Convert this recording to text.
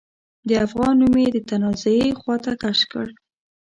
د افغان نوم يې د تنازعې خواته کش کړ.